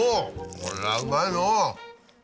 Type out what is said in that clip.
これはうまいのぉ。